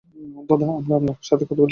দাদা, আমরা আপনার সাথে কথা বলছি।